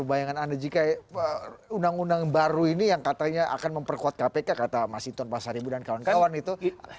bayangan anda jika undang undang baru ini yang katanya akan memperkuat kpk kata mas hinton pasaribu dan kawan kawan itu